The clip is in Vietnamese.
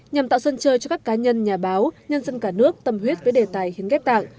nhằm tạo sân chơi cho các cá nhân nhà báo nhân dân cả nước tâm huyết với đề tài hiến ghép tặng